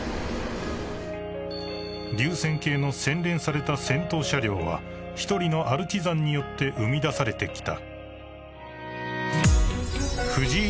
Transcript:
［流線形の洗練された先頭車両は一人のアルチザンによって生み出されてきた］